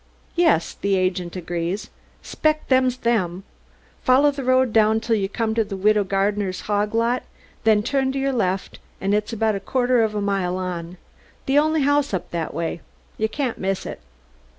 "Yes," the agent agreed. "'Spect them's them. Follow the road there till you come to Widow Gardiner's hog lot, then turn to your left, and it's about a quarter of a mile on. The only house up that way you can't miss it."